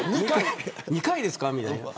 ２回ですか。